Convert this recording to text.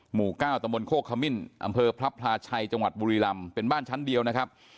หมู่เก้าตะมนตโคกขมิ้นอำเภอพระพลาชัยจังหวัดบุรีลำเป็นบ้านชั้นเดียวนะครับ